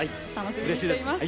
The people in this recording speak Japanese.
うれしいです。